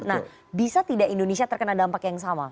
nah bisa tidak indonesia terkena dampak yang sama